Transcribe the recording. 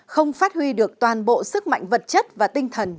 không phát huy được toàn bộ sức mạnh vật chất và tinh thần